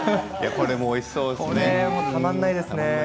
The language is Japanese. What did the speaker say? これもたまんないですね。